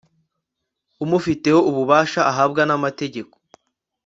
umufiteho ububasha ahabwa n'amategeko